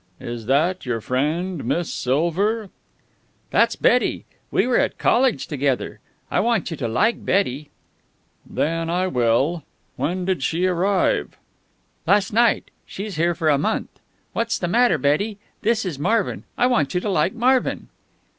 "Is that your friend, Miss Silver?" "That's Betty. We were at college together. I want you to like Betty." "Then I will. When did she arrive?" "Last night. She's here for a month. What's the matter, Betty? This is Marvin. I want you to like Marvin."